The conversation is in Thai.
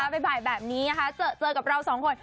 บ่ายแบบนี้นะคะเจอกับเราสองคน